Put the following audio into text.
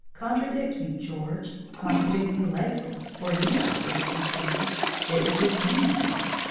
"Contradict me, George! Contradict me, Leighton! or you, Alfred, if you can! It would give me new life.